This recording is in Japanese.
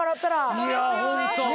いやホント！